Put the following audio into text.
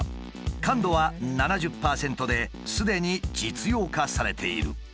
感度は７０％ですでに実用化されている。